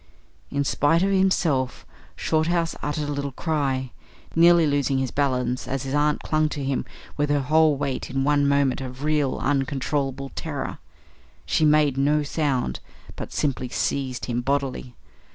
In spite of himself, Shorthouse uttered a little cry, nearly losing his balance as his aunt clung to him with her whole weight in one moment of real, uncontrollable terror. She made no sound, but simply seized him bodily.